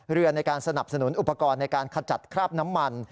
ในการสนับสนุนอุปกรณ์ในการขจัดคราบน้ำมัน